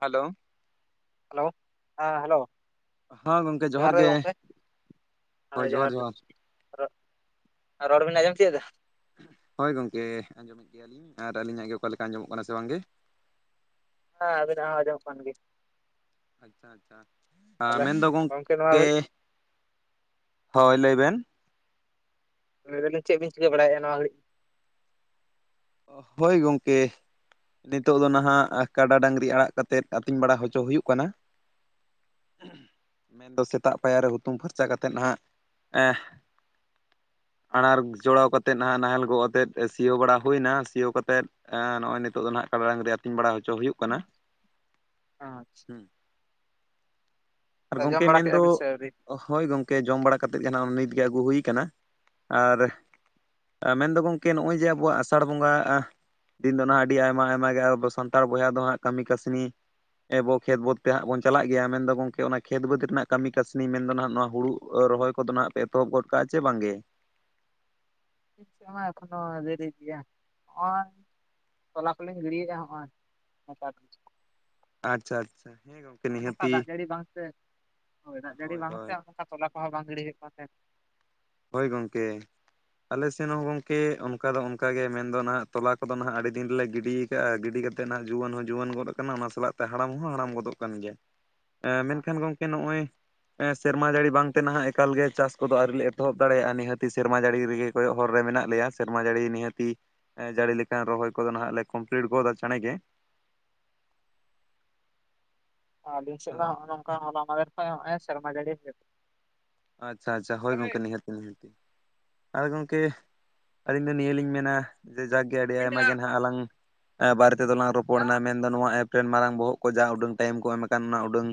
Hello, hello ᱦᱮ hello, ᱡᱚᱦᱟᱨ ᱜᱮ ᱜᱚᱢᱠᱮ ᱦᱩᱭ ᱡᱚᱦᱟᱨ ᱜᱮ᱾ ᱨᱚᱲ ᱵᱮᱱ ᱟᱸᱡᱚᱢ ᱛᱤᱭᱚᱜ ᱫᱟ? ᱦᱳᱭ ᱜᱚᱢᱠᱮ ᱟᱸᱡᱚᱢᱮᱫ ᱜᱮᱭᱟᱞᱤᱧ ᱟᱨ ᱟᱹᱞᱤᱧᱟᱜ ᱜᱮ ᱚᱠᱟᱮ ᱞᱮᱠᱟ ᱟᱸᱡᱚᱢᱚᱜ ᱠᱟᱱᱟ ᱥᱮ ᱵᱟᱝᱜᱮ? ᱦᱮ ᱟᱵᱤᱱᱟᱜ ᱦᱚ ᱟᱧᱚᱡᱚᱢ ᱢᱟᱱ ᱜᱮᱭᱟ᱾ ᱟᱪᱪᱷᱟ ᱟᱪᱪᱷᱟ ᱛᱟᱦᱚᱞᱮ ᱢᱮᱱᱫᱚ ᱱᱚᱣᱟ ᱜᱚᱝᱠᱮ ᱜᱷᱟᱹᱲᱤᱡ ᱦᱳᱭ ᱞᱟᱹᱭ ᱵᱮᱱ, ᱞᱟᱹᱭ ᱫᱟᱞᱤᱧ ᱪᱮᱫ ᱵᱤᱱ ᱪᱤᱠᱟᱹ ᱵᱟᱲᱟᱭᱮᱫᱼᱟ ᱱᱚᱣᱟ ᱜᱷᱟᱲᱤᱡ? ᱦᱳᱭ ᱜᱚᱢᱠᱮ, ᱱᱤᱛᱚᱜ ᱫᱚ ᱱᱟᱦᱟᱜ ᱠᱟᱰᱟ ᱰᱟᱹᱝᱨᱤ ᱟᱲᱟᱜ ᱠᱟᱛᱮᱫ ᱟᱹᱛᱤᱧ ᱵᱟᱲᱟ ᱦᱚᱪᱚ ᱦᱩᱭᱩᱜ ᱠᱟᱱᱟ᱾ ᱢᱮᱱᱫᱚ ᱥᱮᱛᱟᱜ ᱯᱟᱭᱟᱨ ᱨᱮ ᱦᱩᱛᱩᱢ ᱯᱷᱟᱨᱪᱟ ᱠᱟᱛᱮᱫ ᱦᱟᱸᱜ ᱮᱜ ᱟᱬᱟᱲ ᱡᱚᱲᱟᱣ ᱠᱟᱛᱮᱫ ᱱᱟᱦᱟᱜ ᱱᱟᱦᱮᱞ ᱜᱚᱜ ᱟᱛᱮᱫ ᱥᱤᱭᱳᱜ ᱵᱟᱲᱟ ᱦᱩᱭᱱᱟ ᱥᱤᱭᱳᱣ ᱠᱟᱛᱮᱫ ᱱᱚᱜ ᱚᱭ ᱱᱤᱛᱚᱜ ᱫᱚ ᱱᱟᱜ ᱠᱟᱰᱟ ᱰᱟᱝᱨᱤ ᱟᱹᱛᱤᱧ ᱵᱟᱲᱟ ᱦᱚᱪᱚ ᱦᱩᱭᱩᱜ ᱠᱟᱱᱟ᱾ ᱟᱪᱪᱷᱟ, ᱟᱨ ᱡᱚᱢ ᱜᱚᱝᱠᱮ ᱵᱟᱲᱟ ᱠᱮᱫᱼᱟ ᱢᱮᱱᱫᱚ ᱵᱤᱱ ᱥᱮ ᱟᱹᱣᱨᱤ ᱦᱳᱭ ᱜᱚᱢᱠᱮ ᱡᱚᱢ ᱵᱟᱲᱟ ᱠᱟᱛᱮᱫ ᱜᱮᱱᱟᱜ ᱱᱤᱛᱜᱮ ᱟᱹᱜᱩ ᱦᱩᱭ ᱟᱠᱟᱱᱟ ᱟᱨ ᱢᱮᱱ ᱫᱚ ᱜᱚᱝᱠᱮ ᱱᱚᱜᱼᱚᱭ ᱡᱮ ᱟᱵᱚᱣᱟᱜ ᱟᱥᱟ ᱟᱥᱟᱲ ᱵᱚᱸᱜᱟ ᱫᱤᱱ ᱫᱚ ᱦᱟᱜ ᱟᱹᱰᱤ ᱟᱭᱢᱟ ᱟᱭᱢᱟ ᱜᱮ ᱟᱵᱚ ᱥᱟᱱᱛᱟᱲ ᱵᱚᱭᱦᱟ ᱫᱚ ᱦᱟᱸᱜ ᱠᱟᱹᱢᱤ ᱠᱟᱹᱥᱱᱤ ᱮᱵᱚ ᱠᱷᱮᱛ ᱵᱟᱹᱫᱽ ᱛᱮᱦᱟᱸᱜ ᱵᱚᱱ ᱪᱟᱞᱟᱜ ᱜᱮᱭᱟ ᱢᱮᱱᱫᱚ ᱜᱚᱝᱠᱮ ᱚᱱᱟ ᱠᱷᱮᱛ ᱵᱟᱹᱫᱽ ᱨᱮᱱᱟᱜ ᱠᱟᱹᱢᱤ ᱠᱟᱹᱥᱱᱤ ᱢᱮᱱᱫᱚ ᱱᱟᱦᱟᱜ ᱱᱚᱣᱟ ᱦᱩᱲᱩ ᱨᱚᱦᱚᱭ ᱠᱚᱫᱚ ᱦᱟᱜ ᱯᱮ ᱮᱛᱚᱦᱚᱵ ᱜᱚᱫ ᱠᱟᱜᱼᱟ ᱥᱮ ᱵᱟᱝᱜᱮ? [unintelligible] ᱫᱮᱨᱤ ᱜᱮᱭᱟ ᱛᱚᱞᱟ ᱠᱚᱞᱤᱧ ᱨᱤᱰᱤᱭᱮᱫᱼᱟ ᱦᱚᱸᱜᱼᱚᱭ ᱱᱮᱛᱟᱨ ᱟᱪᱪᱷᱟ ᱟᱪᱪᱷᱟ ᱦᱮᱸ ᱜᱚᱝᱠᱮ, ᱱᱚᱜᱼᱚᱭ ᱱᱚᱝᱠᱟ ᱱᱤᱦᱟᱹᱛᱤ ᱫᱟᱜ ᱡᱟᱹᱲᱤ ᱵᱟᱝᱛᱮ ᱫᱟᱜ ᱡᱟᱹᱲᱤ ᱦᱳᱭ ᱵᱟᱝᱛᱮ ᱦᱳᱭ ᱱᱚᱝᱠᱟ ᱛᱚᱞᱟ ᱠᱚᱦᱚᱸ ᱵᱟᱝ ᱫᱟᱲᱤ ᱦᱩᱭᱩᱜ ᱠᱟᱱ ᱛᱟᱦᱮᱸᱫ, ᱦᱚᱭ ᱜᱚᱢᱠᱮ, ᱟᱞᱮ ᱥᱮᱱ ᱦᱚᱸ ᱜᱚᱝᱠᱮ ᱚᱱᱠᱟ ᱫᱚ ᱚᱱᱠᱟ ᱜᱮ ᱢᱮᱱᱫᱚ ᱱᱟᱦᱟᱜ ᱛᱚᱞᱟ ᱠᱚᱫᱚ ᱱᱟᱦᱟᱜ ᱟᱹᱰᱤ ᱫᱤᱱ ᱨᱮᱞᱮ ᱜᱤᱰᱤ ᱠᱟᱹᱜᱼᱟ ᱜᱤᱰᱤ ᱠᱟᱛᱮᱫ ᱱᱟᱦᱟᱜ ᱡᱩᱣᱟᱹᱱ ᱦᱚᱸ ᱡᱩᱣᱟᱹᱱ ᱜᱚᱫᱚᱜ ᱠᱟᱱᱟ ᱚᱱᱟ ᱥᱟᱞᱟᱜ ᱛᱮ ᱦᱟᱲᱟᱢ ᱦᱚᱸ ᱦᱟᱲᱟᱢ ᱜᱚᱫᱚᱜ ᱠᱟᱱ ᱜᱮᱭᱟ᱾ [inaudible] ᱢᱮᱱᱠᱷᱟᱱ ᱜᱚᱢᱠᱮ ᱱᱚᱜᱼᱚᱭ ᱥᱮᱨᱢᱟ ᱡᱟᱹᱲᱤ ᱵᱟᱝᱛᱮ ᱱᱟᱦᱟᱜ ᱮᱠᱟᱞᱜᱮ ᱪᱟᱥ ᱠᱚᱫᱚ ᱟᱹᱣᱨᱤ ᱞᱮ ᱮᱛᱚᱦᱚᱵ ᱫᱟᱲᱮᱭᱟᱜᱼᱟ ᱱᱤᱦᱟᱹᱛᱤ ᱥᱮᱨᱢᱟ ᱡᱟᱹᱲᱤ ᱨᱮᱜᱮ ᱠᱚᱭᱚᱜ ᱦᱚᱨ ᱨᱮ ᱢᱮᱱᱟᱜ ᱞᱮᱭᱟ, ᱥᱮᱨᱢᱟ ᱡᱟᱹᱲᱤ ᱱᱤᱦᱟᱹᱛᱤ ᱡᱟᱹᱲᱤ ᱞᱮᱠᱟᱱ ᱨᱚᱦᱚᱭ ᱠᱚᱫᱚ ᱱᱟᱦᱟᱜ ᱞᱮ ᱠᱚᱢᱯᱞᱤᱴ ᱜᱚᱫᱟ ᱪᱟᱸᱬᱮ ᱜᱮ᱾ ᱟᱞᱤᱧ ᱥᱮᱫ ᱢᱟ ᱱᱚᱸᱜ-ᱚ ᱱᱚᱝᱠᱟ ᱦᱚᱞᱟ ᱢᱟᱫᱮᱨ ᱠᱷᱚᱡ ᱮ ᱥᱮᱨᱢᱟ ᱡᱟᱲᱤ ᱠᱮᱫ᱾ ᱟᱪᱪᱷᱟ, ᱟᱪᱪᱷᱟ ᱦᱳᱭ ᱦᱚᱭ ᱜᱚᱢᱠᱮ ᱱᱤᱦᱟᱹᱛ ᱟᱨ ᱜᱚᱝᱠᱮ ᱟᱹᱞᱤᱧ ᱫᱚ ᱱᱤᱭᱟᱹ ᱞᱤᱧ ᱢᱮᱱᱟ᱾ ᱡᱮ ᱡᱟᱠ ᱟᱹᱰᱤ ᱟᱭᱢᱟ ᱜᱮ ᱦᱟᱜ ᱟᱞᱟᱝ ᱵᱟᱨᱮ ᱛᱮᱞᱟᱝ ᱨᱚᱯᱚᱲ ᱱᱟ ᱢᱮᱱᱫᱚ ᱱᱚᱣᱟ ᱮᱯ ᱨᱮᱱ ᱢᱟᱨᱟᱝ ᱵᱚᱦᱚᱜ ᱠᱚ ᱡᱟ ᱩᱰᱟᱹᱝ ᱴᱟᱭᱤᱢ ᱠᱚ ᱮᱢ ᱟᱠᱟᱱ ᱚᱱᱟ ᱩᱰᱟᱹᱝ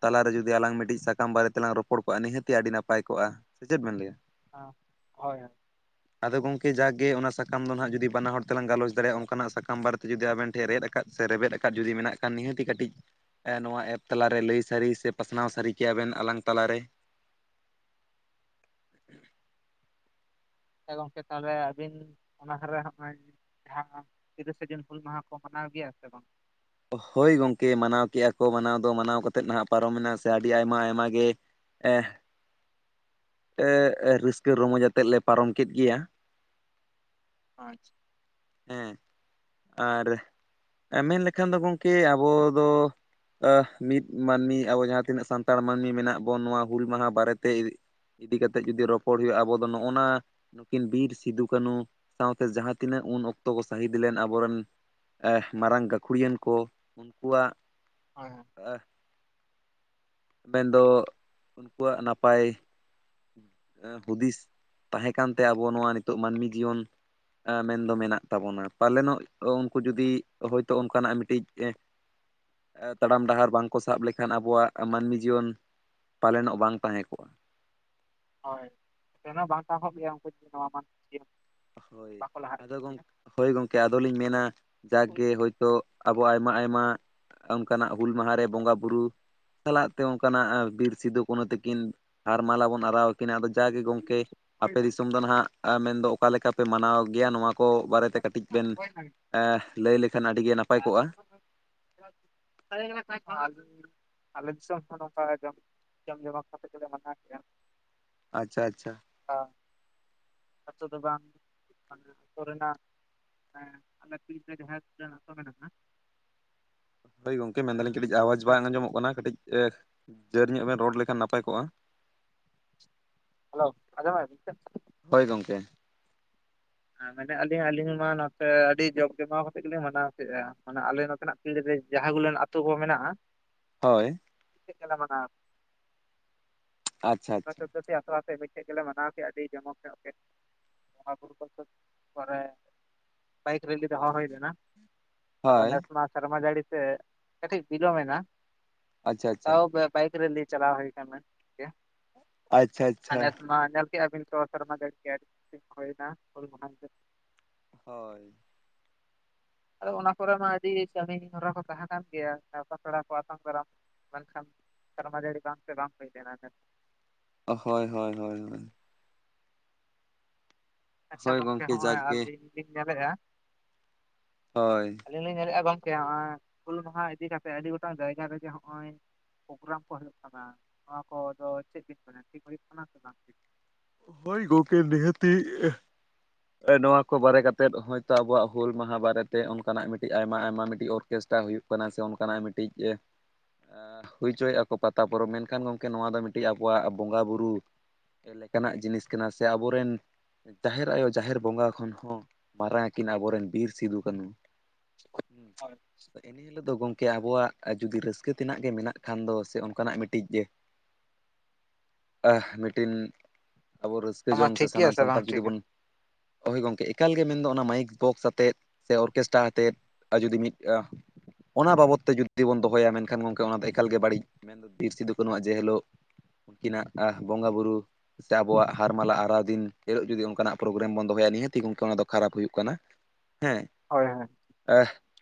ᱛᱟᱞᱟ ᱨᱮ ᱡᱩᱫᱤ ᱟᱞᱟᱝ ᱢᱤᱫᱴᱤᱡ ᱥᱟᱠᱟᱢ ᱵᱟᱨᱮ ᱛᱮᱞᱟᱝ ᱨᱚᱯᱚᱲ ᱠᱚᱜ-ᱟ ᱱᱤᱦᱟᱹᱛᱤ ᱟᱹᱰᱤ ᱱᱟᱯᱟᱭ ᱠᱚᱜ-ᱟ ᱥᱮ ᱪᱮᱫ ᱵᱮᱱ ᱞᱟᱹᱭ-ᱟ? ᱦᱮᱸ ᱦᱳᱭ᱾ ᱟᱫᱚ ᱜᱚᱝᱠᱮ ᱡᱟᱜᱮ ᱚᱱᱟ ᱥᱟᱠᱟ ᱫᱚ ᱦᱟᱜ ᱡᱩᱫᱤ ᱵᱟᱱᱟ ᱦᱚᱲ ᱛᱮᱞᱟᱝ ᱜᱟᱞᱚᱪ ᱫᱟᱲᱮᱭᱟᱜ-ᱟ ᱚᱱᱠᱟ ᱱᱟᱜ ᱥᱟᱠᱟᱢ ᱵᱟᱨᱮ ᱛᱮ ᱡᱩᱫᱤ ᱟᱵᱮᱱ ᱴᱷᱮᱱ ᱨᱮᱫ ᱟᱠᱟᱫ᱾ ᱥᱮ ᱨᱮᱵᱮᱫ ᱟᱠᱟᱫ ᱡᱩᱫᱤ ᱢᱮᱱᱟᱜ ᱠᱷᱟᱱ ᱱᱤᱦᱟᱹᱛ ᱜᱮ ᱠᱟᱹᱴᱤᱡ ᱱᱚᱣᱟ ᱮᱯ ᱛᱟᱞᱟ ᱨᱮ ᱞᱟᱹᱭ ᱥᱟᱹᱨᱤ ᱥᱮ ᱯᱟᱥᱱᱟᱣ ᱥᱟᱹᱨᱤ ᱠᱮᱭᱟ ᱵᱮᱱ ᱟᱞᱟᱝ ᱛᱟᱞᱟ ᱨᱮ᱾ [inaudible] ᱜᱚᱝᱠᱮ ᱛᱟᱞᱦᱮ ᱟᱹᱵᱤᱱ ᱚᱱᱟ ᱦᱟᱨᱮ ᱦᱚᱸᱜ-ᱚᱭ ᱡᱟᱦᱟ ᱛᱤᱨᱤᱥᱟ ᱡᱩᱱ ᱦᱩᱸᱞ ᱢᱟᱦᱟ ᱠᱚ ᱢᱟᱱᱟᱣ ᱜᱮᱭᱟ ᱥᱮ ᱵᱟᱝ? ᱦᱳᱭ ᱜᱚᱝᱠᱮ ᱢᱟᱱᱟᱣ ᱠᱮᱫᱜ-ᱟ ᱠᱚ ᱢᱟᱱᱟᱣ ᱫᱚ ᱢᱟᱱᱟᱣ ᱠᱟᱛᱮᱫ ᱱᱟᱦᱟᱜ ᱯᱟᱨᱚᱢ ᱢᱮᱱᱟ ᱥᱮ ᱟᱹᱰᱤ ᱟᱭᱢᱟ ᱟᱭᱢᱟ ᱜᱮ ᱮᱸᱻ ᱮᱸᱻ ᱨᱟᱹᱥᱠᱟᱹ ᱨᱚᱸᱢᱚᱡᱽ ᱟᱛᱮᱫ ᱞᱮ ᱯᱟᱨᱚᱢ ᱠᱮᱫ ᱜᱮᱭᱟ᱾ ᱟᱪᱪᱷᱟ᱾ ᱦᱮᱸ ᱟᱨ ᱢᱮᱱ ᱞᱮ ᱠᱷᱟᱱ ᱫᱚ ᱜᱚᱝᱠᱮ ᱟᱵᱚ ᱫᱚ ᱢᱤᱫ ᱢᱟᱹᱱᱢᱤ ᱟᱵᱚ ᱡᱟᱦᱟ ᱛᱤᱱᱟᱹᱜ ᱥᱟᱱᱛᱟᱲ ᱢᱟᱹᱱᱢᱤ ᱢᱮᱱᱟᱜ ᱵᱚᱱ ᱱᱚᱣᱟ ᱦᱩᱸᱞ ᱢᱟᱦᱟ ᱵᱟᱨᱮ ᱛᱮ ᱤᱫᱤ ᱠᱟᱛᱮᱫ ᱡᱩᱫᱤ ᱨᱚᱯᱚᱲ ᱦᱳᱭᱳᱜ-ᱟ ᱟᱵᱚ ᱫᱚ ᱱᱚᱜ-ᱚᱱᱟ ᱱᱩᱠᱤᱱ ᱵᱤᱨ ᱥᱤᱫᱩ ᱠᱟᱹᱱᱩ ᱥᱟᱶᱛᱮ ᱡᱟᱦᱟ ᱛᱤᱱᱟᱹᱜ ᱩᱱ ᱚᱠᱛᱚ ᱠᱚ ᱥᱟᱹᱦᱤᱫ ᱞᱮᱱ ᱟᱵᱚ ᱨᱮᱱ ᱮᱸᱻ ᱢᱟᱨᱟᱝ ᱜᱟᱹᱠᱷᱩᱲᱤᱭᱟᱱ ᱠᱚ ᱩᱱᱠᱩᱣᱟᱜ ᱦᱮᱸ᱾ ᱮᱸᱦᱻ ᱢᱮᱱ ᱫᱚ ᱩᱱᱠᱩᱣᱟᱜ ᱱᱟᱯᱟᱭ ᱮᱸᱻ ᱦᱩᱫᱤᱥ ᱛᱟᱦᱮᱸ ᱠᱟᱱᱛᱮ ᱟᱵᱚ ᱱᱚᱣᱟ ᱱᱤᱛᱳᱜ ᱢᱟᱹᱱᱢᱤ ᱡᱤᱭᱚᱱ ᱢᱮᱱᱫᱚ ᱢᱮᱱᱟᱜ ᱛᱟᱵᱚᱱᱟ ᱯᱟᱞᱮᱱᱚᱜ ᱩᱱᱠᱩ ᱡᱩᱫᱤ ᱦᱳᱭ ᱛᱚ ᱚᱱᱠᱟ ᱱᱟᱜ ᱢᱤᱫᱴᱤᱡ [inaudible] ᱛᱟᱲᱟᱢ ᱰᱟᱦᱟᱨ ᱵᱟᱝ ᱠᱚ ᱥᱟᱵ ᱞᱮᱠᱷᱟᱱ ᱟᱵᱚᱣᱟᱜ ᱢᱟᱹᱱᱢᱤ ᱡᱤᱭᱚᱱ ᱯᱟᱞᱮᱱᱚᱜ ᱵᱟᱝ ᱛᱟᱦᱮᱸ ᱠᱚᱜ-ᱟ ᱾ ᱦᱳᱭ ᱮᱦᱚᱸ ᱵᱟᱝ ᱛᱟᱦᱮ ᱠᱚᱜ ᱜᱮᱭᱟ ᱩᱱᱠᱩ ᱡᱩᱫᱤ ᱱᱚᱣᱟ ᱵᱟᱝ ᱦᱳᱭ ᱟᱫᱚ ᱠᱮᱭᱟ ᱜᱚᱝᱠᱮ ᱦᱳᱭ ᱜᱚᱝᱠᱮ ᱟᱫᱚ ᱞᱤᱧ ᱢᱮᱱᱟ ᱡᱟᱠ ᱜᱮ ᱦᱳᱭ ᱛᱚ ᱟᱵᱚ ᱟᱭᱢᱟ ᱟᱭᱢᱟ ᱚᱱᱠᱟ ᱱᱟᱜ ᱦᱩᱸᱞ ᱢᱟᱦᱟ ᱨᱮ ᱵᱚᱸᱜᱟ ᱵᱩᱨᱩ ᱥᱟᱞᱟᱜ ᱛᱮ ᱚᱱᱠᱟᱱᱟᱜ ᱵᱤᱨ ᱥᱤᱫᱩ ᱠᱟᱹᱱᱩ ᱛᱟᱹᱠᱤᱱ ᱦᱟᱨ ᱢᱟᱞᱟ ᱵᱚᱱ ᱟᱨᱟᱣ ᱟᱠᱤᱱᱟ ᱟᱫᱚ ᱡᱟᱜᱮ ᱜᱚᱝᱠᱮ ᱟᱯᱮ ᱫᱤᱥᱚᱢ ᱫᱚ ᱱᱟᱦᱟᱜ ᱢᱮᱱᱫᱚ ᱚᱠᱟ ᱞᱮᱠᱟ ᱯᱮ ᱢᱟᱱᱟᱣ ᱜᱮᱭᱟ ᱱᱚᱣᱟ ᱠᱚ᱾ ᱵᱟᱨᱮ ᱛᱮ ᱠᱟᱹᱴᱤᱡ ᱵᱮᱱ ᱞᱟᱹᱭ ᱞᱮᱠᱷᱟᱱ ᱟᱹᱰᱤ ᱜᱮ ᱱᱟᱯᱟᱭ ᱠᱚᱜ-ᱟ᱾ [unintelligible] ᱟᱞᱮ ᱫᱤᱥᱚᱢ ᱦᱚᱸ ᱱᱚᱝᱠᱟ ᱜᱮ ᱡᱚᱢ, ᱡᱚᱢ ᱡᱚᱢᱟᱠ ᱠᱟᱛᱮ ᱜᱮᱞᱮ ᱢᱟᱱᱟᱣ ᱜᱮᱭᱟ ᱾ ᱟᱪᱪᱷᱟ, ᱟᱪᱪᱷᱟ᱾ ᱟᱹᱛᱳ ᱫᱚ ᱵᱟᱝ ᱢᱟᱱᱮ ᱟᱹᱛᱳ ᱨᱮᱱᱟᱜ ᱮᱸᱻ ᱟᱞᱮ ᱟᱛᱳ ᱪᱮᱛᱟᱱ ᱡᱟᱦᱟ, ᱡᱟᱦᱟ ᱟᱛᱳ ᱢᱮᱱᱟᱜ-ᱟ᱾ ᱦᱳᱭ ᱜᱚᱝᱠᱮ ᱢᱮᱱ ᱫᱟᱹᱞᱤᱧ ᱠᱟᱹᱴᱤᱡ ᱟᱣᱟᱡᱽ ᱵᱟᱝ ᱟᱸᱡᱚᱢᱚᱜ ᱠᱟᱱᱟ᱾ ᱠᱟᱹᱴᱤᱡ ᱡᱟᱹᱨ ᱧᱚᱜ ᱵᱮᱱ ᱨᱚᱲ ᱞᱮᱠᱷᱟᱱ ᱱᱟᱯᱟᱭ ᱠᱚᱜ-ᱟ ᱾ ᱦᱮᱞᱳ ᱟᱸᱡᱚᱢ ᱮᱜ-ᱟ ᱟᱵᱤᱱ ᱥᱮ? ᱦᱳᱭ ᱜᱚᱢᱠᱮ ᱢᱮᱱᱮᱫ ᱟᱹᱞᱤᱧ ᱟᱹᱞᱤᱧ ᱢᱟ ᱱᱚᱛᱮ ᱟᱹᱰᱤ ᱡᱳᱜᱽ ᱡᱚᱢᱟᱣ ᱠᱟᱛᱮᱫ ᱜᱮᱞᱤᱧ ᱢᱟᱱᱟᱣ ᱠᱮᱫᱼᱟ ᱾ ᱢᱟᱱᱮ ᱟᱞᱮ ᱱᱚᱛᱮᱱᱟᱜ ᱯᱤᱲ ᱨᱮ ᱡᱟᱦᱟᱸ ᱜᱩᱞᱟ. ᱱ ᱟᱛᱳ ᱠᱚ ᱢᱮᱱᱟᱜᱼᱟᱼᱼ ᱦᱳᱭ [unintelligible] ᱟᱪᱪᱷᱟ ᱟᱪᱪᱷᱟ ᱛᱚ ᱟᱛᱮ ᱢᱤᱫᱴᱮᱡ ᱜᱮᱞᱮ ᱢᱟᱱᱟᱣ ᱠᱮᱜᱼᱟ ᱟᱹᱰᱤ ᱡᱚᱢᱚᱠ ᱧᱚᱜ ᱜᱮ ᱵᱚᱸᱜᱟᱼ ᱵᱩᱨᱩ ᱠᱚ ᱯᱚᱨᱮᱼᱼ ᱵᱟᱭᱤᱠ ᱨᱮᱞᱤ ᱫᱚᱦᱚ ᱦᱳᱭ ᱞᱮᱱᱟ ᱟᱫᱚ ᱦᱳᱭ ᱱᱮᱥ ᱢᱟᱼᱼ ᱥᱮᱨᱢᱟ ᱡᱟᱹᱲᱤ ᱛᱮ ᱠᱟᱹᱴᱤᱡ ᱵᱤᱞᱚᱢ ᱮᱱᱟ ᱟᱪᱪᱷᱟ ᱟᱪᱪᱷᱟ ᱛᱟᱣ ᱵᱟᱭᱤᱠ ᱨᱮᱞᱤ ᱪᱟᱞᱟᱣ ᱦᱩᱭᱩᱜᱼᱼ ᱠᱟᱱᱟ ᱴᱷᱤᱠᱟ. ᱟᱪᱪᱷᱟ ᱟᱨ ᱟᱪᱪᱷᱟ ᱱᱮᱥ ᱢᱟ ᱦᱟᱱᱮ ᱠᱮ ᱟᱹᱵᱤᱱ ᱥᱚᱦᱚ ᱥᱮᱨᱢᱟ ᱡᱟᱹᱲᱤ [unintelligible] ᱦᱳᱭ ᱱᱟ ᱦᱩᱞ ᱢᱟᱦᱟᱼᱼ ᱦᱳᱭ ᱟᱫᱚ ᱚᱱᱟ ᱠᱚᱨᱮ ᱢᱟ ᱟᱹᱰᱤ ᱠᱟᱹᱢᱤ ᱦᱚᱨᱟ ᱠᱚ ᱛᱟᱦᱮᱸ ᱠᱟᱱ ᱜᱮᱭᱟ ᱱᱮᱶᱛᱟ ᱯᱮᱲᱟ ᱠᱚ ᱟᱛᱟᱝ ᱫᱟᱨᱟᱢ ᱢᱮᱱᱠᱷᱟᱱᱼᱼ ᱥᱮᱨᱢᱟ ᱡᱟᱹᱲᱤ ᱵᱟᱝᱠᱛᱮ ᱵᱟᱝ ᱦᱩᱭ ᱞᱮᱱᱟ ᱱᱮᱥᱼᱼ ᱦᱳᱭ ᱦᱳᱭ ᱦᱳᱭ ᱟᱪᱪᱷᱟ ᱦᱳᱭ ᱜᱚᱝᱠᱮ ᱜᱚᱢᱠᱮ ᱦᱚᱸᱼᱚᱭ ᱡᱟᱜᱽᱜᱮ ᱟᱹᱞᱤᱧ ᱞᱤᱧ ᱧᱮᱞᱮᱫᱼᱟᱼᱼ ᱦᱳᱭ ᱟᱹᱞᱤᱧ ᱞᱤᱧ ᱧᱮᱞᱮᱫᱼᱟ ᱜᱚᱝᱠᱮ ᱱᱚᱜᱼᱚᱭ ᱦᱩᱞ ᱢᱟᱦᱟ ᱤᱫᱤ ᱠᱟᱛᱮᱜ ᱟᱹᱰᱤ ᱜᱚᱴᱟᱝ ᱡᱟᱭᱜᱟ ᱨᱮᱜᱮ ᱱᱚᱜᱼᱚᱭᱼᱼ ᱯᱨᱳᱜᱨᱟᱢ ᱠᱚ ᱦᱩᱭᱩᱜ ᱠᱟᱱᱟ ᱱᱚᱣᱟ ᱠᱚᱫᱚ ᱪᱮᱫ ᱵᱮᱱ ᱢᱮᱱᱟ ᱴᱷᱤᱠ ᱦᱩᱭᱩᱜ ᱠᱟᱱᱟ ᱥᱮ ᱵᱟᱝ? ᱦᱳᱭ ᱜᱚᱢᱠᱮ ᱱᱤᱦᱟᱹᱛᱤᱼᱼ ᱱᱚᱣᱟ ᱠᱚ ᱵᱟᱨᱮ ᱠᱟᱛᱮᱫ ᱦᱳᱭᱛᱳ ᱟᱵᱚᱣᱟᱜ ᱦᱩᱞ ᱢᱟᱦᱟ ᱵᱟᱨᱮᱛᱮ ᱚᱱᱠᱟᱱᱟᱜ ᱢᱤᱫᱴᱤᱡ ᱟᱭᱢᱟ ᱟᱭᱢᱟ ᱢᱤᱫᱴᱤᱡ ᱚᱨ ᱪᱮᱥᱴᱟ ᱦᱩᱭᱩᱜ ᱠᱟᱱᱟ ᱥᱮ ᱚᱱᱠᱟᱱᱟᱜ ᱢᱤᱫᱴᱤᱡᱼᱼ [unintelligible] ᱮ ᱦᱩᱭ ᱦᱚᱪᱚᱭᱮᱫ ᱟᱠᱚ ᱯᱟᱛᱟ ᱯᱚᱨᱚᱵᱽ ᱢᱮᱱᱠᱷᱟᱱ ᱜᱚᱝᱠᱮ ᱱᱚᱣᱟ ᱫᱚ ᱢᱤᱫᱴᱤᱡ ᱟᱵᱚᱣᱟᱜ ᱵᱚᱸᱜᱟ ᱵᱩᱨᱩ ᱠᱟᱱᱟᱜ ᱡᱤᱱᱤᱥ ᱠᱟᱱᱟ ᱥᱮ ᱟᱵᱚᱨᱮᱱ ᱡᱟᱦᱮᱨ ᱟᱭᱳ ᱡᱟᱦᱮᱨ ᱵᱚᱸᱜᱟ ᱠᱷᱚᱱ ᱦᱚᱸ ᱢᱟᱨᱟᱝ ᱟᱹᱠᱤᱱ ᱟᱵᱚᱨᱮᱱ ᱵᱤᱨ ᱥᱤᱫᱩᱼ ᱠᱟᱹᱱᱩ᱾ ᱦᱩ ᱦᱳᱭ ᱤᱱᱟ. ᱦᱤᱞᱳᱜ ᱫᱚ ᱜᱚᱝᱠᱮ ᱟᱵᱚᱣᱟᱜ ᱡᱩᱫᱤ ᱨᱟᱹᱥᱠᱟᱹ ᱛᱮᱱᱟᱜ ᱜᱮ ᱢᱮᱱᱟᱜ ᱠᱷᱟᱱ ᱫᱚ ᱥᱮ ᱚᱱᱠᱟᱱᱟᱜ ᱢᱤᱫᱴᱤᱡ ᱟ ᱢᱤᱫᱴᱤᱱ ᱟᱵᱚ ᱨᱟᱹᱥᱠᱟᱹ ᱚᱱᱟ ᱡᱚᱝ ᱥᱮ ᱴᱷᱤᱠ ᱜᱮᱭᱟ ᱥᱟᱱᱟᱢ ᱵᱟᱝ ᱥᱟᱱᱛᱟᱲ ᱡᱩᱫᱤ ᱴᱷᱤᱠᱟ ᱵᱚᱱ ᱦᱳᱭ ᱜᱚᱝᱠᱮ ᱮᱠᱟᱞᱜᱮ ᱢᱮᱱᱫᱚ ᱚᱱᱟ ᱢᱟᱭᱤᱠ ᱵᱚᱠᱥ ᱟᱛᱮᱫ ᱥᱮ ᱚᱨᱠᱮᱥᱴᱨᱟ ᱟᱛᱮᱫ ᱟᱨ ᱡᱩᱫᱤ ᱢᱤᱫ ᱟ ᱚᱱᱟ ᱵᱟᱵᱚᱫ ᱛᱮ ᱡᱩᱫᱤ ᱵᱚᱱ ᱫᱚᱦᱚᱭᱟ ᱢᱮᱱᱠᱷᱟᱱ ᱜᱚᱝᱠᱮ ᱚᱱᱟ ᱫᱚ ᱮᱠᱟᱞ ᱜᱮ ᱵᱟᱹᱲᱤᱡ ᱢᱮᱱ ᱫᱚ ᱵᱤᱨ ᱥᱤᱫᱩ ᱠᱟᱹᱱᱩᱣᱟᱜ ᱡᱮ ᱦᱤᱞᱳᱜ ᱩᱱᱠᱤᱱᱟᱜ ᱵᱚᱸᱜᱟᱼ ᱵᱩᱨᱩ ᱥᱮ ᱟᱵᱚᱣᱟᱜ ᱦᱟᱨ ᱢᱟᱞᱟ ᱟᱨᱟᱣ ᱫᱤᱱ ᱦᱤᱞᱳᱜ ᱡᱩᱫᱤ ᱚᱱᱠᱟᱱᱟᱜ ᱯᱨᱳᱜᱨᱟᱢ ᱵᱚᱱ ᱫᱚᱦᱚᱭᱟ ᱱᱤᱦᱟᱹᱛ ᱜᱮ ᱜᱚᱝᱠᱮ ᱚᱱᱟ ᱫᱚ ᱠᱷᱟᱨᱟᱯ ᱦᱩᱭᱩᱜ ᱠᱟᱱᱟ᱾ ᱦᱮᱸ ᱦᱳᱭ ᱦᱳᱭ ᱮ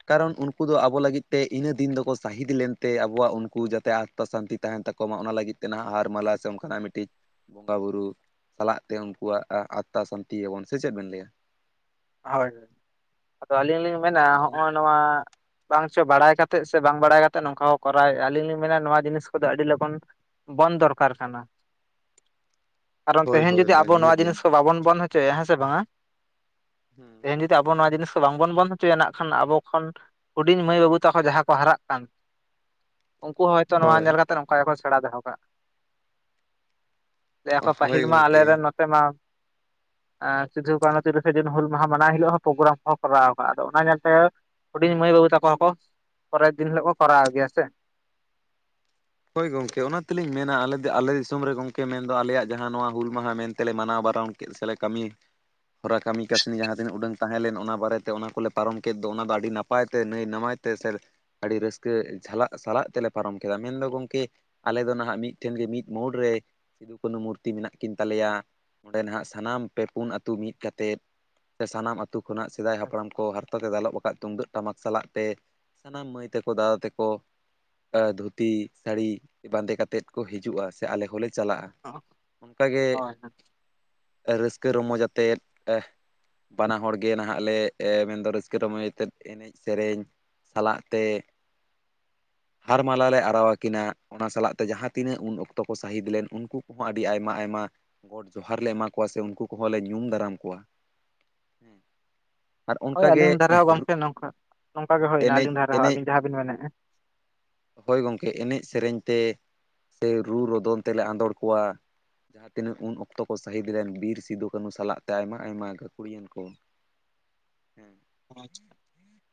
ᱠᱟᱨᱚᱱ ᱩᱱᱠᱩ ᱫᱚ ᱟᱵᱚ ᱞᱟᱹᱜᱤᱫ ᱛᱮ ᱤᱱᱟᱹ ᱫᱤᱱ ᱫᱚᱠᱚ ᱥᱟᱹᱦᱤᱫ ᱞᱮᱱᱛᱮ ᱟᱵᱚᱣᱟᱜ ᱩᱱᱠᱩ ᱡᱟᱛᱮ ᱟᱛ ᱛᱟ ᱥᱟᱱᱛᱤ ᱛᱟᱦᱮᱱ ᱛᱟᱠᱚ ᱢᱟ ᱚᱱᱟ ᱞᱟᱹᱜᱤᱫ ᱛᱮ ᱱᱟᱦᱟᱜ ᱦᱟᱨ ᱢᱟᱞᱟ ᱥᱮ ᱚᱱᱠᱟᱱᱟᱜ ᱢᱤᱫᱴᱤᱡ ᱵᱚᱸᱜᱟ ᱵᱩᱨᱩ ᱥᱟᱞᱟᱜ ᱛᱮ ᱩᱱᱠᱩᱣᱟᱜ ᱟᱛᱛᱟ ᱥᱟᱱᱛᱤ ᱟᱵᱚᱱ ᱥᱮ ᱪᱮᱫ ᱵᱮᱱ ᱞᱟᱹᱭᱟ᱾ ᱦᱳᱭ ᱦᱳᱭ ᱟᱫᱚ ᱟᱹᱞᱤᱧ ᱞᱤᱧ ᱢᱮᱱᱟ ᱦᱮᱸ ᱟᱫᱚ ᱦᱚᱜ ᱚ ᱱᱚᱣᱟ ᱵᱟᱝ ᱪᱚ ᱵᱟᱲᱟᱭ ᱠᱟᱛᱮᱫ ᱥᱮ ᱵᱟᱝ ᱵᱟᱲᱟᱭ ᱠᱟᱛᱮᱫ ᱱᱚᱝᱠᱟ ᱠᱚᱸ ᱠᱚᱨᱟᱣᱮᱜᱼᱟ ᱟᱹᱞᱤᱧ ᱞᱤᱧ ᱢᱮᱱᱟ ᱱᱚᱣᱟ ᱡᱤᱱᱤᱥ ᱠᱚᱫᱚ ᱟᱹᱰᱤ ᱞᱚᱜᱚᱱ᱾ ᱵᱚᱱᱫᱷ ᱫᱚᱨᱠᱟᱨ ᱠᱟᱱᱟ᱾ ᱠᱟᱨᱚᱱ ᱦᱳᱭ ᱛᱮᱦᱮᱧ ᱦᱳᱭ ᱡᱩᱫᱤ ᱦᱳᱭ ᱟᱵᱚ ᱱᱚᱣᱟ ᱱᱤᱦᱟᱹᱛᱤ ᱡᱤᱱᱤᱥ ᱠᱚ ᱵᱟᱵᱚᱱ ᱵᱚᱱᱫᱷ ᱦᱚᱪᱚᱭᱟ ᱦᱮᱸ ᱥᱮ ᱵᱟᱝ ᱦᱮ ᱦᱮᱸ ᱛᱮᱦᱮᱧ ᱡᱩᱫᱤ ᱟᱵᱚ ᱱᱚᱣᱟ ᱡᱤᱱᱤᱥ ᱠᱚ ᱵᱟᱝᱵᱚᱱ ᱵᱚᱱᱫᱷ ᱦᱚᱪᱚᱭᱟ ᱱᱟᱜ ᱱᱟᱜᱠᱷᱟᱱ ᱟᱵᱚ ᱠᱷᱚᱱ ᱦᱩᱰᱤᱧ ᱢᱟᱹᱭ ᱵᱟᱹᱵᱩ ᱛᱟᱠᱚ ᱡᱟᱦᱟᱸ ᱠᱚ ᱦᱟᱨᱟᱜ ᱠᱟᱱ ᱩᱱᱠᱩ ᱦᱚᱸ ᱦᱚᱭᱛᱳ ᱱᱚᱣᱟ ᱦᱳᱭ ᱧᱮᱞ ᱠᱟᱛᱮᱜ ᱚᱱᱠᱟ ᱜᱮᱠᱚ ᱥᱮᱬᱟ ᱫᱚᱦᱚ ᱠᱟᱜᱼᱟ᱾ ᱞᱟᱹᱭ ᱟᱠᱚ ᱦᱳᱭ ᱯᱟᱹᱦᱤᱞ ᱢᱟ ᱜᱚᱢᱠᱮ ᱟᱞᱮᱨᱮᱱ ᱢᱟ ᱥᱤᱫᱩ ᱠᱟᱱᱩ ᱛᱤᱨᱤ ᱥᱮ ᱡᱩᱱ ᱦᱩᱞ ᱢᱟᱦᱟ ᱢᱟᱱᱟᱝ ᱦᱤᱞᱳᱜ ᱦᱚᱸ ᱯᱨᱳᱜᱨᱟᱢ ᱠᱚ ᱠᱚᱨᱟᱣ ᱠᱟᱜᱼᱟ ᱟᱫᱚ ᱚᱱᱟ ᱧᱮᱞᱛᱮ ᱦᱩᱰᱤᱧ ᱢᱟᱹᱭ ᱵᱟᱹᱵᱩ ᱛᱟᱠᱚ ᱦᱚᱸᱠᱚ ᱯᱚᱨᱮᱨ ᱫᱤᱱ ᱦᱤᱞᱳᱜ ᱠᱚ ᱠᱚᱨᱟᱣ ᱜᱮᱭᱟ ᱥᱮ᱾ ᱦᱳᱭ ᱜᱚᱢᱠᱮ ᱚᱱᱟ ᱛᱮᱞᱤᱧ ᱢᱮᱱᱟ ᱟᱞᱮ ᱫᱚ ᱟᱞᱮ ᱫᱤᱥᱚᱢ ᱨᱮ ᱜᱚᱝᱠᱮ ᱢᱮᱱᱫᱚ ᱟᱞᱮᱭᱟᱜ ᱡᱟᱦᱟᱸ ᱱᱚᱣᱟ ᱦᱩᱞ ᱢᱟᱦᱟ ᱢᱮᱱᱛᱮᱞᱮ ᱢᱟᱱᱟᱣ ᱵᱟᱨᱚᱱ ᱠᱮᱜ ᱥᱮᱞᱮ ᱠᱟᱹᱢᱤ ᱦᱚᱨᱟ ᱠᱟᱹᱢᱤ ᱠᱟᱹᱥᱱ ᱡᱟᱦᱟᱸ ᱛᱤᱱᱟᱜ ᱩᱰᱟᱹᱝ ᱛᱟᱦᱮᱸ ᱞᱮᱱ ᱚᱱᱟ ᱵᱟᱨᱮᱛᱮ ᱚᱱᱟ ᱠᱚᱞᱮ ᱯᱟᱨᱚᱢ ᱠᱮᱫ ᱫᱚ ᱚᱱᱟ ᱫᱚ ᱟᱹᱰᱤ ᱱᱟᱯᱟᱭ ᱛᱮ ᱱᱟᱹᱭ ᱱᱟᱢᱟᱡ ᱛᱮ ᱥᱮ ᱟᱹᱰᱤ ᱨᱟᱹᱥᱠᱟᱹ ᱡᱷᱟᱞᱟᱜ ᱥᱟᱞᱟᱜ ᱛᱮᱞᱮ ᱯᱟᱨᱚᱢ ᱠᱮᱫᱟ ᱢᱮᱱᱫᱚ ᱜᱚᱝᱠᱮ ᱟᱞᱮ ᱫᱚ ᱱᱟᱦᱟᱜ ᱢᱤᱫᱴᱷᱮᱱ ᱜᱮ ᱢᱤᱫ ᱢᱳᱲ ᱨᱮ ᱥᱤᱫᱩᱼᱠᱟᱱᱩ ᱢᱩᱨᱛᱤ ᱢᱮᱱᱟᱜ ᱠᱤᱱ ᱛᱟᱞᱮᱭᱟ ᱚᱸᱰᱮ ᱱᱟᱦᱜ ᱥᱟᱱᱟᱢ ᱯᱮ ᱯᱩᱱ ᱟᱛᱩ ᱢᱤᱫ ᱠᱟᱛᱮᱫ ᱥᱮ ᱥᱟᱱᱟᱢ ᱟᱛᱩ ᱠᱷᱚᱱᱟᱜ ᱥᱮᱫᱟᱭ ᱦᱟᱯᱲᱟᱢ ᱠᱚ ᱦᱟᱨ ᱛᱮ ᱫᱟᱞᱚᱵ ᱟᱠᱟᱜ-ᱟ ᱛᱩᱢᱫᱟᱹᱜ ᱴᱟᱢᱟᱠ ᱥᱟᱞᱟᱜ ᱛᱮ ᱥᱟᱱᱟᱢ ᱢᱟᱹᱭ ᱛᱟᱠᱚ ᱫᱟᱫᱟ ᱛᱮᱠᱚ ᱟᱸ ᱫᱷᱩᱛᱤ ᱥᱟᱹᱲᱤ ᱵᱟᱸᱫᱮ ᱠᱟᱛᱮᱫ ᱠᱚ ᱦᱤᱡᱩᱜᱼᱟ ᱥᱮ ᱟᱞᱮ ᱦᱚᱸᱞᱮ ᱪᱟᱞᱟᱜᱼᱟ ᱚᱱᱠᱟᱜᱮ ᱦᱳᱭ ᱨᱟᱹᱥᱠᱟᱹ ᱨᱚᱢᱚᱡᱽ ᱟᱛᱮᱫ ᱮᱜ ᱵᱟᱱᱟ ᱦᱚᱲ ᱜᱮ ᱱᱟᱦᱟᱜ ᱞᱮ ᱢᱮᱱᱫᱚ ᱨᱟᱹᱥᱠᱟᱹ ᱨᱚᱢᱚᱡ ᱟᱛᱮᱫ ᱮᱱᱮᱡ ᱥᱮᱨᱮᱧ ᱥᱟᱞᱟᱜ ᱛᱮ ᱦᱟᱨ ᱢᱟᱞᱟ ᱞᱮ ᱟᱨᱣᱟ ᱠᱤᱱᱟ ᱚᱱᱟ ᱥᱟᱞᱟᱜ ᱛᱮ ᱡᱟᱦᱟᱸ ᱛᱤᱱᱟᱹᱜ ᱩᱱ ᱚᱠᱛᱚ ᱠᱚ ᱥᱟᱹᱦᱤᱫ ᱞᱮᱱ ᱩᱱᱠᱩ ᱠᱚᱦᱚᱸ ᱟᱹᱰᱤ ᱟᱭᱢᱟ ᱟᱭᱢᱟ ᱜᱚᱴ ᱡᱚᱦᱟᱨ ᱞᱮ ᱮᱢᱟ ᱠᱚᱣᱟ ᱥᱮ ᱩᱱᱠᱩ ᱠᱚᱦᱚᱸ ᱞᱮ ᱧᱩᱢ ᱫᱟᱨᱟᱢ ᱠᱚᱣᱟ᱾ ᱦᱮᱸ, ᱦᱳᱭ ᱟᱹᱞᱤᱧ ᱫᱷᱟᱨᱮ ᱦᱚᱸ ᱜᱚᱝᱠᱮ ᱱᱚᱝᱠᱟ ᱱᱚᱝᱠᱟ ᱜᱮ ᱦᱩᱭᱱᱟ ᱮᱱᱮᱡ ᱟᱹᱞᱤᱧ ᱫᱷᱟᱨᱮ ᱦᱚᱸ ᱮᱱᱮᱡ ᱟᱹᱵᱤᱱ ᱡᱟᱦᱟᱸ ᱵᱤᱱ ᱢᱮᱱᱮᱫᱼᱟ᱾ ᱦᱳᱭ ᱜᱚᱝᱠᱮ ᱮᱱᱮᱡ ᱥᱮᱨᱮᱧ ᱛᱮ ᱥᱮ ᱨᱩ ᱨᱚᱫᱚᱱ ᱛᱮᱞᱮ ᱟᱸᱫᱳᱲ ᱠᱚᱣᱟ᱾ ᱡᱟᱦᱟᱸ ᱛᱤᱱᱟᱹᱜ ᱩᱱ ᱚᱠᱛᱚ ᱠᱚ ᱥᱟᱹᱟᱦᱤᱫ ᱞᱮᱱ ᱵᱤᱨ ᱥᱤᱫᱩ ᱠᱟᱹᱱᱩ ᱥᱟᱞᱟᱜ ᱛᱮ ᱟᱭᱢᱟ ᱟᱭᱢᱟ ᱜᱟᱹᱠᱷᱩᱲᱟᱹᱱ ᱠᱚ ᱦᱮᱸ᱾ ᱟᱪᱪᱷᱟ᱾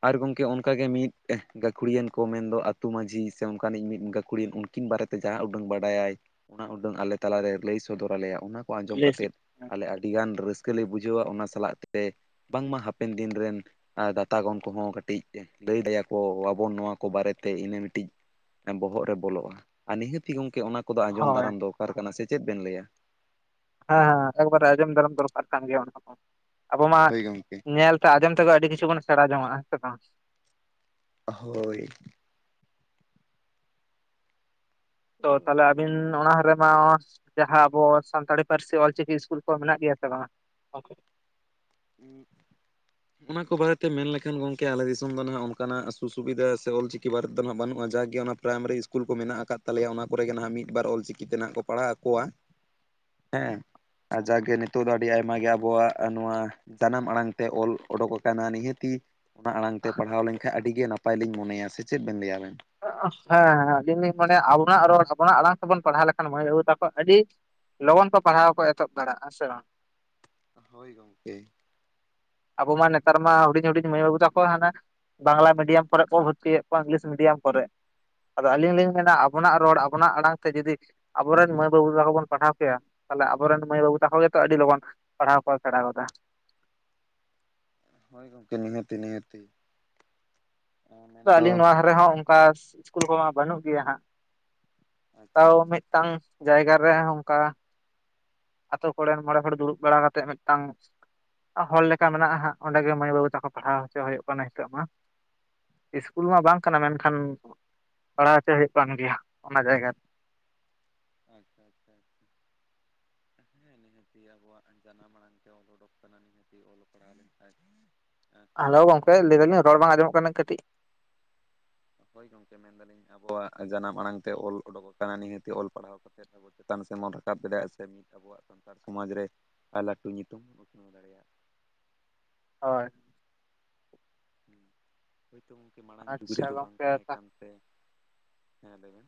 ᱟᱨ ᱜᱚᱝᱠᱮ ᱚᱱᱠᱟᱜ ᱜᱮ ᱢᱤᱫ ᱜᱟᱹᱠᱷᱩᱲᱤᱭᱟᱹᱱ ᱠᱚ ᱢᱮᱱᱫᱚ ᱟᱹᱛᱩ ᱢᱟᱺᱡᱷᱤ ᱥᱮ ᱚᱱ ᱠᱟᱹᱱᱤᱡ ᱢᱤᱫ ᱜᱟᱹᱠᱩᱲᱤᱭᱮᱱ ᱩᱱᱠᱤᱱ ᱵᱟᱨᱮᱛᱮ ᱡᱟᱦᱟᱸ ᱩᱰᱟᱹᱝ ᱵᱟᱰᱟᱭ ᱚᱱᱟ ᱩᱰᱟᱹᱝ ᱟᱞᱮ ᱛᱟᱞᱟᱨᱮ ᱞᱟᱹᱭ ᱥᱚᱫᱚᱨ ᱟᱞᱮᱭᱟ ᱚᱱᱟ ᱠᱚ ᱟᱸᱡᱚᱢ ᱠᱟᱛᱮᱫ ᱟᱞᱮ ᱟᱹᱰᱤᱜᱟᱱ ᱨᱟᱹᱥᱠᱟᱹ ᱞᱮ ᱵᱩᱡᱷᱟᱹᱣᱟ ᱚᱱᱟ ᱥᱟᱞᱟᱜ ᱛᱮ ᱵᱟᱝᱢᱟ ᱦᱟᱯᱮᱱ ᱫᱤᱱ ᱨᱮᱱ ᱟᱸ ᱫᱟᱛᱟ ᱜᱚᱱ ᱠᱚᱦᱚᱸ ᱠᱟᱹᱴᱤᱡ ᱞᱟᱹᱭ ᱫᱮᱭᱟ, ᱠᱚᱣᱟᱵᱚᱱ ᱱᱚᱣᱟ ᱠᱚ ᱵᱟᱨᱮᱛᱮ ᱤᱱᱟᱹ ᱢᱤᱴᱤᱡ ᱦᱮᱸ ᱵᱚᱦᱚᱜ ᱨᱮ ᱵᱚᱞᱚᱜᱼᱟ ᱟᱸ ᱱᱤᱦᱟᱹᱛᱤ ᱜᱚᱢᱠᱮ ᱚᱱᱟ ᱠᱚᱫᱚ ᱟᱸᱡᱚᱢ ᱦᱳᱭ ᱫᱟᱨᱟᱢ ᱦᱮᱸ ᱫᱚᱨᱠᱟᱨ ᱠᱟᱱᱟ ᱥᱮ ᱪᱮᱫ ᱵᱮᱱ ᱞᱟᱹᱭᱟ ᱦᱮᱸ ᱦᱮᱸ ᱮᱠᱵᱟᱨ ᱟᱸᱡᱚᱢ ᱫᱟᱨᱚᱢ ᱫᱚᱨᱠᱟᱨ ᱠᱟᱱ ᱜᱮᱭᱟ ᱚᱱᱟ ᱠᱚ ᱟᱵᱚ ᱢᱟ ᱦᱳᱭ ᱜᱚᱢᱠᱮ ᱧᱮᱞ ᱛᱮ ᱟᱸᱡᱚᱢ ᱛᱮᱫᱚ ᱟᱹᱰᱤ ᱠᱤᱪᱷᱩᱜᱟᱱ ᱥᱮᱬᱟᱸ ᱡᱚᱧᱚᱜᱼᱟ ᱦᱮᱸ ᱵᱟᱝ? ᱦᱳᱭ᱾ ᱛᱚ ᱛᱟᱦᱚᱞᱮ ᱟᱵᱤᱱ ᱚᱱᱟ ᱦᱟᱨᱮ ᱱᱚᱣᱟ ᱡᱟᱦᱟᱸ ᱟᱵᱚ ᱥᱟᱱᱛᱟᱲᱤ ᱯᱟᱹᱨᱥᱤ ᱚᱞ, ᱪᱤᱠᱤ ᱤᱥᱠᱩᱞ ᱠᱚ ᱢᱮᱱᱟᱜ ᱜᱮᱭᱟ ᱥᱮ ᱵᱟᱝ-ᱟ? ᱦᱮᱸ᱾ ᱚᱱᱟ ᱠᱚ ᱵᱟᱨᱮᱛᱮ ᱢᱮᱱ ᱞᱮᱠᱷᱟᱱ ᱜᱚᱢᱠᱮ ᱟᱞᱮ ᱫᱤᱥᱚᱢ ᱫᱚ ᱱᱟᱦᱟᱜ ᱚᱱᱠᱟ, ᱱᱟᱜ ᱥᱩ ᱥᱩᱵᱤᱫᱟ ᱥᱮ ᱚᱞᱪᱤᱠᱤ ᱮᱠᱤᱵᱟᱨ ᱫᱚᱱᱟᱜ ᱵᱟᱹᱱᱩᱜ ᱡᱟᱜᱤ ᱚᱱᱟ ᱯᱨᱟᱭᱢᱟᱨᱤ ᱤᱥᱠᱩᱞ ᱠᱚ ᱢᱮᱱᱟᱜ ᱟᱠᱟᱫ ᱛᱟᱞᱮᱭᱟ ᱚᱱᱟ ᱠᱚᱨᱮᱜᱮ ᱱᱟᱦᱟᱜ ᱢᱤᱫ ᱵᱟᱨ ᱚᱞᱪᱤᱠᱤ ᱛᱮ ᱱᱟᱦᱟᱜ ᱠᱚ ᱯᱟᱲᱦᱟᱣ ᱟᱸᱠᱚᱣᱟ, [unintelligible] ᱦᱮᱸ ᱟᱨ ᱡᱟᱜᱮ ᱱᱤᱛᱚᱜ ᱫᱚ ᱟᱹᱰᱤ ᱟᱭᱢᱟ ᱜᱮ ᱟᱵᱚᱣᱟᱜ ᱱᱚᱣᱟ ᱡᱟᱱᱟᱢ ᱟᱲᱟᱝ ᱛᱮ ᱚᱞ ᱚᱰᱩᱠ ᱟᱠᱟᱱᱟ ᱱᱤᱦᱟᱹᱛᱤ ᱚᱱᱟ ᱟᱲᱟᱝ ᱛᱮ ᱯᱟᱲᱦᱟᱣ ᱞᱮᱱᱠᱷᱟᱱ ᱟᱹᱰᱤ ᱜᱮ ᱱᱟᱯ ᱱᱟᱯᱟᱭ ᱞᱤᱧ ᱢᱚᱱᱮᱭᱟ ᱥᱮ ᱪᱮᱫ ᱵᱮᱱ ᱞᱟᱹᱭᱟ ᱟᱵᱮᱱ? ᱦᱮᱸ ᱦᱮᱸ ᱟᱹᱞᱤᱧ ᱞᱤᱧ ᱢᱚᱱᱮᱭᱟ ᱟᱵᱚᱱᱟᱜ ᱨᱚᱲ ᱟᱵᱚᱱᱟᱜ ᱟᱲᱟᱝ ᱛᱮᱵᱚᱱ ᱯᱟᱲᱦᱟᱣ ᱞᱮᱠᱷᱟᱱ ᱢᱟᱹᱭ ᱵᱟᱹᱵᱩ ᱛᱟᱠᱚ ᱟᱹᱰᱤ ᱞᱚᱜᱚᱱ ᱠᱚ ᱯᱟᱲᱦᱟᱣ ᱠᱚ ᱮᱛᱚᱦᱚᱵ ᱫᱟᱲᱮᱭᱟᱜᱼᱟ ᱥᱮ ᱵᱟᱝ? ᱦᱳᱭ ᱜᱚᱝᱠᱮ᱾ ᱟᱵᱚ ᱢᱟ ᱱᱮᱛᱟᱨ ᱢᱟ ᱦᱩᱰᱤᱧ ᱦᱩᱰᱤᱧ ᱢᱟᱹᱭ ᱵᱟᱹᱵᱩ ᱛᱟᱠᱚ ᱦᱟᱱᱟ ᱵᱟᱝᱞᱟ ᱢᱤᱰᱤᱭᱟᱢ ᱠᱚᱨᱮᱜᱠᱚ ᱵᱷᱚᱨᱛᱤᱭᱮᱫ ᱠᱚᱣᱟ ᱤᱝᱞᱤᱥ ᱢᱤᱰᱤᱭᱟᱢ ᱠᱚᱨᱮᱜ᱾ ᱟᱫᱚ ᱟᱹᱞᱤᱧ ᱞᱤᱧ ᱢᱮᱱᱟ ᱟᱵᱚᱱᱟᱜ ᱨᱚᱲ ᱟᱵᱚᱱᱟᱜ ᱟᱲᱟᱝ ᱛᱮ ᱡᱩᱫᱤ ᱟᱵᱚᱨᱮᱱ ᱢᱟᱹᱭ ᱵᱟᱹᱵᱩ ᱛᱟᱠᱚ ᱵᱚᱱ ᱯᱟᱲᱦᱟᱣ ᱠᱮᱭᱟ ᱛᱟᱦᱚᱞᱮ ᱟᱵᱚᱨᱮᱱ ᱢᱟᱹᱭ ᱵᱟᱹᱵᱩ ᱛᱟᱠᱚ ᱜᱮᱛᱚ ᱟᱹᱰᱤ ᱞᱚᱜᱚᱱ ᱯᱟᱲᱦᱟᱣ ᱠᱚᱭ ᱥᱮᱬᱟᱸ ᱜᱚᱫᱟ᱾ ᱦᱳᱭ ᱜᱚᱡᱠᱮ ᱱᱤᱦᱟᱹᱛᱤ ᱱᱤᱦᱟᱹᱛᱤ᱾ ᱛᱚ ᱢᱮᱱᱫᱚ ᱟᱹᱞᱤᱧ ᱱᱚᱣᱟ ᱫᱷᱟᱨᱮ ᱦᱚᱸ ᱚᱱᱠᱟ ᱤᱥ ᱤᱥᱠᱩᱞ ᱠᱚᱢᱟ ᱵᱟᱹᱱᱩᱜ ᱜᱮᱭᱟ ᱦᱟᱸᱜ᱾ ᱟᱪᱪᱷᱟ ᱛᱟᱣ ᱟᱪᱪᱷᱟ ᱢᱤᱫᱴᱟᱝ ᱡᱟᱭᱜᱟ ᱨᱮ ᱚᱝᱠᱟ ᱟᱛᱳ ᱠᱚᱬᱮᱱ ᱢᱚᱬᱮ ᱦᱚᱲ ᱫᱩᱲᱩᱵ ᱵᱟᱲᱟ ᱠᱟᱛᱮᱫ ᱢᱤᱫᱴᱟᱝ ᱦᱚᱲ ᱞᱮᱠᱟ ᱢᱮᱱᱟᱜᱼᱟ ᱦᱟᱸᱜ ᱚᱸᱰᱮ ᱜᱮ ᱢᱟᱹᱭ ᱵᱟᱹᱵᱩ ᱛᱟᱠᱚ ᱯᱟᱲᱦᱟᱣ ᱦᱚᱪᱚ ᱦᱩᱭᱩᱜ ᱠᱟᱱᱟ ᱱᱤᱛᱚᱜ ᱢᱟ᱾ ᱤᱥᱠᱩᱞ ᱢᱟ ᱵᱟᱝ ᱠᱟᱱᱟ ᱢᱮᱱᱠᱷᱟᱱ ᱯᱟᱲᱦᱟᱣ ᱦᱚᱪᱚ ᱦᱩᱭᱩᱜ ᱠᱟᱱ ᱜᱮᱭᱟ ᱚᱱᱟ ᱡᱟᱭᱜᱟ ᱨᱮ᱾ ᱟᱪᱪᱷᱟ ᱟᱪᱪᱷᱟ ᱟᱪᱪᱷᱟ᱾ ᱦᱮᱸ ᱱᱤᱦᱟᱹᱛᱤ ᱟᱵᱚᱣᱟᱜ ᱡᱟᱱᱟᱢ ᱟᱲᱟᱝ ᱛᱮ ᱚᱞ ᱩᱰᱚᱠ ᱠᱟᱱᱟ ᱱᱤᱦᱟᱹᱛᱤ ᱚᱞᱚᱜ ᱯᱟᱲᱦᱟᱣ ᱞᱮᱱᱠᱷᱟᱭᱡ ᱦᱟᱠᱳ ᱜᱚᱝᱠᱮ ᱞᱟᱹᱭ ᱫᱟᱹᱞᱤᱧ ᱨᱚᱲ ᱵᱟᱝ ᱟᱸᱡᱚᱢᱚᱜ ᱠᱟᱱᱟ ᱠᱟᱹᱴᱤᱡ ᱦᱳᱭ ᱜᱚᱢᱠᱮ ᱢᱮᱱ, ᱫᱟᱞᱤᱧ ᱟᱵᱚᱣᱟᱜ ᱡᱟᱱᱟᱢ ᱟᱲᱟᱝ ᱛᱮ ᱚᱞ ᱚᱰᱚᱠ ᱟᱠᱟᱱᱟ ᱱᱤᱦᱟᱹᱛᱤ ᱚᱞ ᱯᱟᱲᱦᱟᱣ ᱠᱟᱛᱮᱫ ᱟᱵᱚ ᱪᱮᱛᱟᱱ ᱥᱮᱱ ᱵᱚᱱ ᱨᱟᱠᱟᱵ ᱫᱟᱲᱮᱭᱟᱜᱼᱟ ᱥᱮ ᱢᱤᱫ ᱟᱵᱚᱣᱟᱜ ᱥᱟᱱᱛᱟᱲ ᱥᱚᱢᱟᱡᱽ ᱨᱮ ᱟᱭ ᱞᱟᱴᱩ ᱧᱩᱛᱩᱢ ᱵᱚᱱ ᱩᱛᱱᱟᱹᱣ ᱫᱟᱲᱮᱭᱟᱜ᱾ ᱦᱳᱭ᱾ ᱦᱳᱭᱛᱳ ᱜᱚᱝᱠᱮ ᱢᱟᱲᱟᱝ ᱡᱩᱜᱽ ᱟᱪᱪᱷᱟ ᱨᱮᱫᱚ ᱵᱟᱝ ᱜᱚᱝᱠᱮ ᱛᱟᱦᱮᱸ ᱠᱟᱱᱛᱮ ᱦᱮᱸ ᱞᱟᱹᱭ ᱵᱮᱱ᱾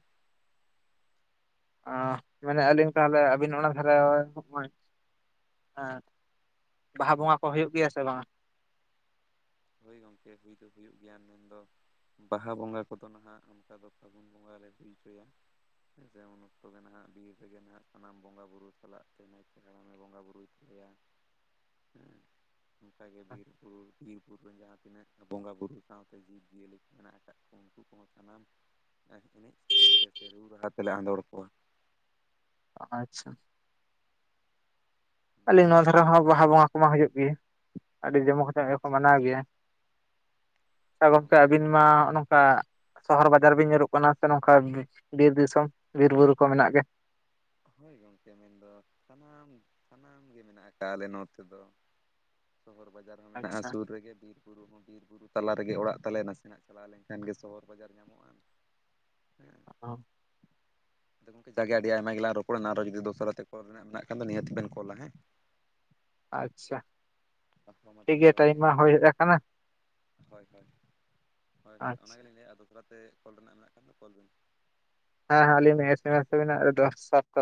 ᱟᱸ ᱢᱮᱱᱮ ᱟᱹᱞᱤᱧ ᱛᱟᱦᱚᱞᱮ ᱟᱹᱵᱤᱱ ᱚᱱᱟ ᱫᱷᱟᱨᱮ ᱦᱚᱸᱜ-ᱚᱭ ᱦᱮᱸ ᱵᱟᱦᱟ ᱵᱚᱸᱜᱟ ᱠᱚ ᱦᱩᱭᱩᱜ ᱜᱮᱭᱟ ᱥᱮ ᱵᱟᱝ? ᱦᱳᱭ ᱜᱚᱢᱠᱮ ᱦᱩᱭ ᱫᱚ ᱦᱩᱭᱩᱜ ᱜᱮᱭᱟ ᱢᱮᱱᱫᱚ ᱵᱟᱦᱟ ᱵᱚᱸᱜᱟ ᱠᱚᱫᱚ ᱱᱟᱦᱟᱸᱜ ᱚᱱᱠᱟ ᱫᱚ ᱯᱷᱟᱹᱜᱩᱱ ᱵᱚᱸᱜᱟ ᱞᱮ ᱦᱩᱭ ᱦᱚᱪᱚᱭᱟ᱾ ᱦᱮᱸᱥᱮ ᱩᱱ ᱚᱠᱛᱚᱜ ᱜᱮ ᱱᱟᱦᱟᱸᱜ ᱵᱤᱨ ᱨᱮᱜᱮ ᱱᱟᱦᱟᱸᱜ ᱥᱟᱱᱟᱢ ᱵᱚᱸᱜᱟ ᱵᱩᱨᱩ ᱥᱟᱞᱟᱜ ᱛᱮ ᱱᱟᱭᱠᱮ ᱦᱟᱲᱟᱢᱮ ᱵᱚᱸᱜᱟ ᱵᱩᱨᱩᱭ ᱛᱟᱞᱮᱭᱟ [inaudible] ᱚᱱᱠᱟ ᱜᱮ ᱵᱤᱨᱯᱩᱨᱩ ᱵᱤᱨᱵᱩᱨ ᱨᱮᱱ ᱡᱟᱦᱟᱸ ᱛᱤᱱᱟᱹᱜ ᱵᱚᱸᱜᱟ ᱵᱩᱨᱩ ᱥᱟᱶᱛᱮ ᱡᱤᱵᱽ ᱡᱤᱭᱟᱹᱞᱤ ᱠᱚ ᱢᱮᱱᱟᱜ ᱟᱠᱟᱫ ᱠᱚ᱾ ᱩᱱᱠᱩ ᱠᱚᱦᱚᱸ ᱥᱟᱱᱟᱢ ᱮᱱᱮᱡ ᱥᱮᱨᱮᱧ ᱛᱮ ᱥᱮ ᱨᱩ ᱨᱟᱦᱟ ᱛᱮᱞᱮ ᱟᱸᱫᱳᱲ ᱠᱚᱣᱟ᱾ ᱟᱪᱪᱷᱟ᱾ ᱟᱹᱞᱤᱧ ᱱᱚᱣᱟ ᱫᱷᱟᱨᱮ ᱦᱚᱸ ᱵᱟᱦᱟ ᱵᱚᱸᱜᱟ ᱠᱚᱢᱟ ᱦᱩᱭᱩᱜ ᱜᱮ, ᱟᱹᱰᱤ ᱡᱚᱢᱚᱠ ᱧᱚᱜ ᱜᱮᱠᱚ ᱟᱪᱪᱷᱟ ᱢᱟᱱᱟᱣ ᱜᱮᱭᱟ᱾ ᱟᱪᱪᱷᱟ ᱦᱮᱸ ᱜᱚᱝᱠᱮ ᱟᱨ ᱟᱹᱵᱤᱱ ᱢᱟ ᱦᱚᱸᱜ-ᱱᱚᱝᱠᱟ ᱥᱚᱦᱚᱨ ᱵᱟᱡᱟᱨ ᱵᱤᱱ ᱧᱩᱨᱩᱜ ᱠᱟᱱᱟ ᱥᱮ ᱱᱚᱝᱠᱟ ᱵᱤ ᱵᱤᱨ ᱫᱤᱥᱚᱢ ᱵᱤᱨ ᱵᱩᱨᱩ ᱠᱚ ᱢᱮᱱᱟᱜ ᱜᱮ᱾ ᱦᱳᱭ ᱜᱚᱢᱠᱮ ᱢᱮᱱᱫᱚ ᱥᱟᱱᱟᱢ ᱥᱟᱱᱟᱢ ᱜᱮ ᱢᱮᱱᱟᱜ ᱟᱠᱟᱫ-ᱟ ᱟᱞᱮ ᱱᱚᱛᱮ ᱫᱚ᱾ ᱥᱚᱦᱚᱨ ᱵᱟᱡᱟᱨ ᱨᱮᱦᱚᱸ ᱢᱮᱱᱟᱜᱼᱟ ᱟᱪᱪᱷᱟ ᱥᱩᱨ ᱨᱮᱜᱮ ᱵᱤᱨ᱾ ᱵᱩᱨᱩ ᱦᱚᱸ ᱵᱤᱨ ᱵᱩᱨᱩ ᱛᱟᱞᱟ ᱨᱮᱜᱮ ᱚᱲᱟᱜ ᱛᱟᱞᱮ, ᱱᱟᱥᱮᱱᱟᱜ ᱪᱟᱞᱟᱣ ᱞᱮᱱᱠᱷᱟᱱ ᱜᱮ ᱥᱚᱦᱚᱨ ᱵᱟᱡᱟᱨ ᱧᱟᱢᱚᱜᱼᱟ᱾ ᱦᱮᱸ ᱚ᱾ ᱟᱫᱚ ᱡᱟ ᱜᱮ ᱟᱹᱰᱤ ᱟᱭᱢᱟ ᱜᱮᱞᱟᱝ ᱨᱚ ᱨᱚᱯᱚᱲᱱᱟ ᱟᱨᱚ ᱡᱩᱫᱤ ᱫᱚᱥᱟᱨᱟ ᱛᱮ ᱠᱚᱞ ᱨᱮᱱᱟᱜ ᱢᱮᱱᱟᱜ ᱠᱷᱟᱱ ᱫᱚ ᱱᱤᱭᱟᱹ ᱛᱮᱵᱤᱱ ᱠᱚᱞᱟ ᱦᱮᱸ᱾ ᱟᱪᱪᱷᱟ᱾ ᱦᱚᱸ ᱢᱟ ᱴᱷᱤᱠ ᱛᱟᱦᱚᱞᱮ ᱜᱮᱭᱟ ᱡᱚᱦᱟᱨ ᱴᱟᱭᱤᱢ ᱜᱮ, ᱢᱟ ᱦᱳᱭ ᱦᱮᱡ ᱟᱠᱟᱱᱟ ᱦᱳᱭ ᱦᱳᱭ᱾ ᱦᱳᱭ ᱦᱳᱭ ᱟᱪᱪᱷᱟ ᱚᱱᱟᱜᱮᱞᱤᱧ ᱞᱟᱹᱭᱮᱫᱼᱟ ᱟᱨ ᱫᱚᱥᱨᱟ ᱛᱮ ᱠᱚᱞ ᱨᱮᱱᱟᱜ ᱢᱮᱱᱟᱜ ᱠᱷᱟᱱ ᱫᱚ ᱠᱚᱞ ᱵᱤᱱ᱾ ᱦᱮᱸ ᱦᱮᱸ ᱞᱤᱧ ᱮᱥᱮᱢᱮᱥ ᱛᱮᱢᱮᱟᱜ ᱨᱮ ᱫᱚᱥ ᱥᱚᱛ ᱛᱚ᱾